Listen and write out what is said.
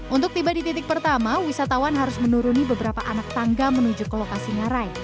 untuk tiba di titik pertama wisatawan harus menuruni beberapa anak tangga menuju ke lokasi ngarai